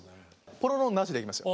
ポロロンなしでいきますよ。